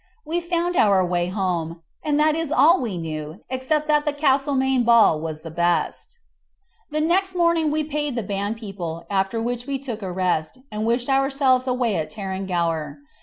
We found our way home, and that is all we knew, except that the Castlemaine ball was the best. Next morning we paid the band people, after which we took a rest, and wished ourselves away from Tarrangower.